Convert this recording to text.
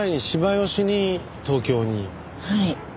はい。